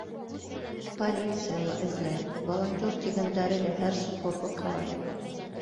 Полиция ла эҙләй, волонтер тигәндәре лә һәр соҡорҙо ҡарай.